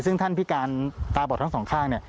ซึ่งท่านพิการตาบอดทั้งสองข้างเนี่ย